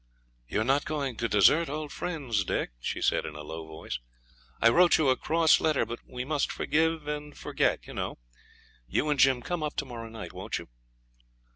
'You're not going to desert old friends, Dick?' she said in a low voice. 'I wrote you a cross letter, but we must forgive and forget, you know. You and Jim come up to morrow night, won't you?'